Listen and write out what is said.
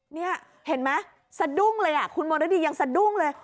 นี่เห็นไหมสะดุ้งเลยอ่ะคุณมณฤดียังสะดุ้งเลย